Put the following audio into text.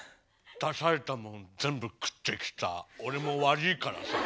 出されたもん全部食ってきた俺も悪いからさ。